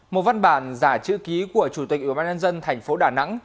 một văn bản giả chữ ký của chủ tịch ủy ban nhân dân thành phố đà nẵng